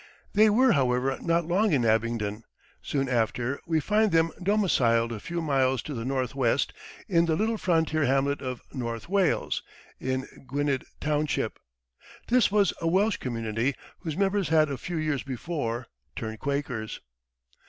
They were, however, not long in Abingdon. Soon after, we find them domiciled a few miles to the northwest in the little frontier hamlet of North Wales, in Gwynedd township; this was a Welsh community whose members had, a few years before, turned Quakers.